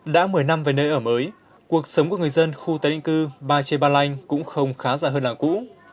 đã một mươi năm về nơi ở mới cuộc sống của người dân khu tái định cư ba chê ba lanh cũng không khá dạ hơn là cũ